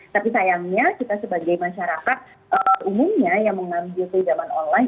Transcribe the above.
tapi sayangnya kita sebagai masyarakat umumnya yang mengambil pinjaman online